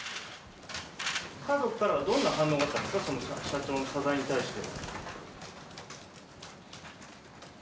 家族からはどんな反応があったんですか、社長の謝罪に対して。